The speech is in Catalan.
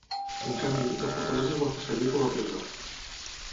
En canvi, la fortalesa es va fer servir com a presó.